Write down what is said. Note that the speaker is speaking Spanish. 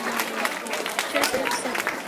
Charles Gabriel Seligman.